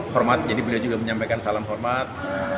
hormat jadi beliau juga menyampaikan salam hormat